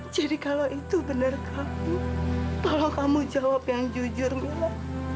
jadi kalau itu benar kamu tolong kamu jawab yang jujur mila